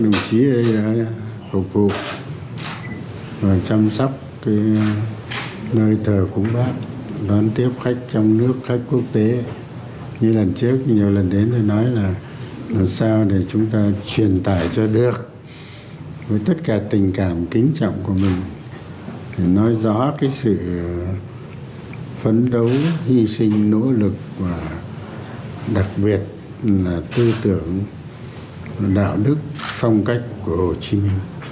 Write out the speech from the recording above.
đồng chí nguyễn phú trọng đã thắp nén hương thơm thanh kính tưởng nhớ chủ tịch hồ chí minh vị lãnh tụ kính yêu của dân tộc việt nam